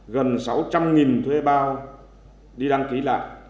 gần sáu trăm linh thuê bao đi đăng ký lại